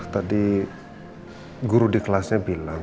tadi guru di kelasnya bilang